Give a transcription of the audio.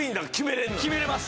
決めれます！